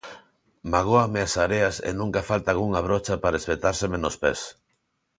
Magóanme as areas e nunca falta algunha brocha para espetárseme nos pés.